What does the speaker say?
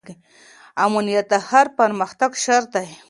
امنیت د هر پرمختګ شرط دی.